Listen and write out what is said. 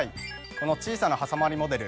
この小さなはさまりモデル